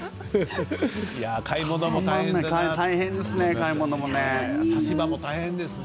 買い物も大変ですよね。